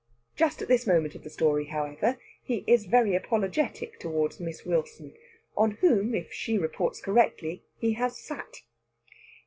Just at this moment of the story, however, he is very apologetic towards Miss Wilson; on whom, if she reports correctly, he has sat.